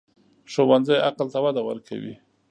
ښوونځی عقل ته وده ورکوي